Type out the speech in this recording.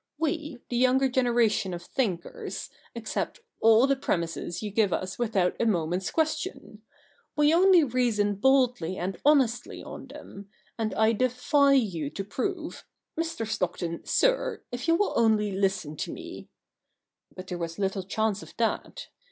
^Ve, the younger generation of thinkers, accept all the premisses you give us without a moment's question. We only reason boldly and honestly on them, and I defy you to prove — Mr. Stockton, sir, if you will only listen to me ' But there was little chance of that.